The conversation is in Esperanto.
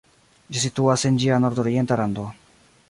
Ĝi situas en ĝia nordorienta rando.